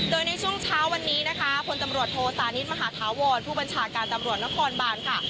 โดยในช่วงเช้าวันนี้นะคะพลตำรวจโทสานิทมหาธาวรผู้บัญชาการตำรวจนครบานค่ะ